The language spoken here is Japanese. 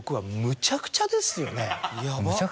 むちゃくちゃですよね。